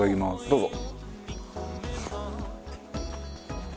どうぞ。